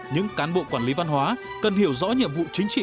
những cán bộ quản lý văn hóa cần hiểu rõ nhiệm vụ chính trị